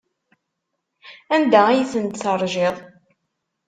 Anda ay tent-teṛjiḍ?